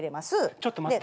ちょっと待って。